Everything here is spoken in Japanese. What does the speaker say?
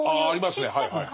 あありますね。